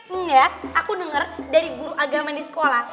enggak aku denger dari guru agama di sekolah